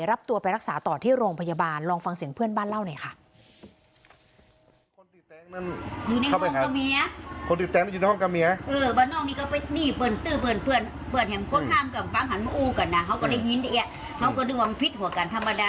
รับตัวไปรักษาต่อที่โรงพยาบาลลองฟังเสียงเพื่อนบ้านเล่าหน่อยค่ะ